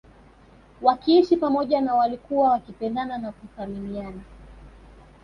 Wakiishi pamoja na walikuwa wakipendana na kuthaminiana